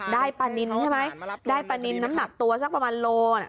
ปลานินใช่ไหมได้ปลานินน้ำหนักตัวสักประมาณโล